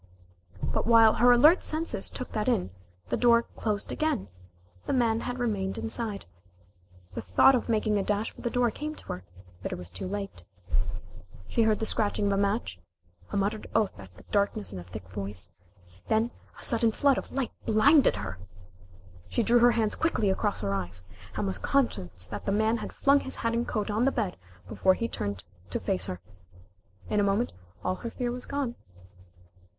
But while her alert senses took that in, the door closed again the man had remained inside. The thought of making a dash for the door came to her, but it was too late. She heard the scratching of a match a muttered oath at the darkness in a thick voice then a sudden flood of light blinded her. She drew her hands quickly across her eyes, and was conscious that the man had flung his hat and coat on the bed before he turned to face her. In a moment all her fear was gone.